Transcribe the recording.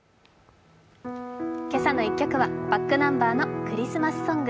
「けさの１曲」はｂａｃｋｎｕｍｂｅｒの「クリスマスソング」。